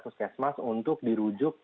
puskesmas untuk dirujuk